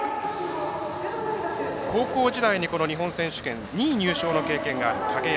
高校時代、日本選手権２位の経験がある景山。